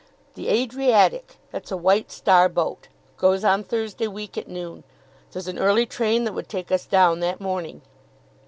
The 'Adriatic,' that's a White Star boat, goes on Thursday week at noon. There's an early train that would take us down that morning.